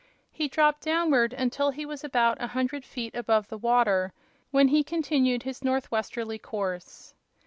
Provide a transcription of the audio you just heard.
He dropped downward until he was about a hundred feet above the water, when he continued his northwesterly course.